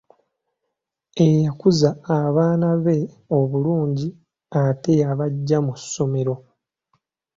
Eyakuza abaana be obulungi ate yabaggya mu ssomero.